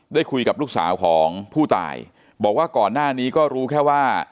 ได้คุยกับลูกสาวของผู้ตายบอกว่าก่อนหน้านี้ก็รู้แค่ว่า